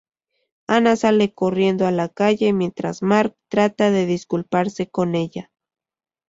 Anna sale corriendo a la calle mientras Mark trata de disculparse con ella.